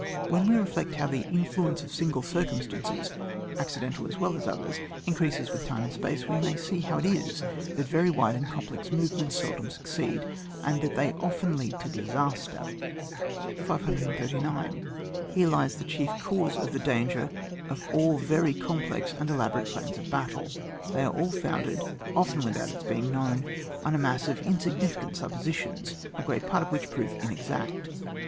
When we reflect how the influ ence of single circumstances (accidental as well as others) increases with time and space, we may see how it is that very wide and complex movements seldom succeed, and that they often lead to disaster. 539. Here lies the chief cause of the danger of all very complex and elabo rate plans of battles. They are all founded, often without its being known, on a mass of insignificant suppositions, a great part of which prove inexact.